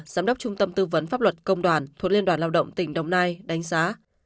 giám đốc trung tâm tư vấn pháp luật công đoàn thuộc liên đoàn lao động tỉnh đồng nai đánh giá